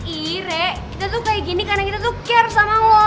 iiih reh kita tuh kayak gini karena kita tuh care sama love